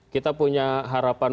kita punya harapan